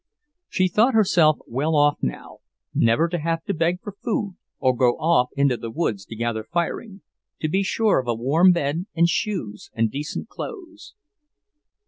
She thought herself well off now, never to have to beg for food or go off into the woods to gather firing, to be sure of a warm bed and shoes and decent clothes.